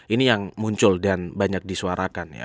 ini yang muncul dan banyak disuarakan ya